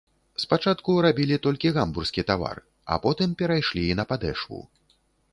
Спачатку рабілі толькі гамбургскі тавар, а потым перайшлі і на падэшву.